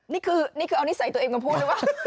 นี้คือเอานิสัยตัวเองกับพวกเหรอวะ